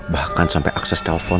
bahkan sampe akses telepon